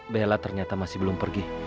bella ternyata masih belum pergi